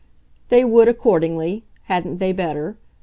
They would accordingly hadn't they better?